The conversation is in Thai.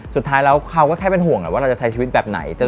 สุดท้ายแล้วเขาก็แค่เป็นห่วงแหละว่าเราจะใช้ชีวิตแบบไหน